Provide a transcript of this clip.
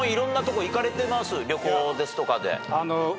旅行ですとかで。